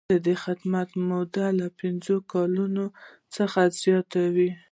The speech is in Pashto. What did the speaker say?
د خدمت موده له پنځه کلونو څخه زیاته وي.